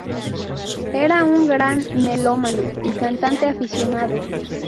Era un gran melómano y cantante aficionado.